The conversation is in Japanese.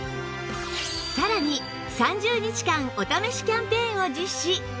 さらに３０日間お試しキャンペーンを実施